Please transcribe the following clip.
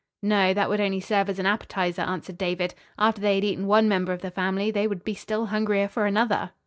"No, that would only serve as an appetizer," answered David. "After they had eaten one member of the family they would be still hungrier for another."